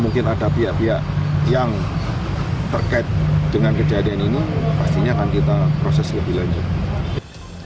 mungkin ada pihak pihak yang terkait dengan kejadian ini pastinya akan kita proses lebih lanjut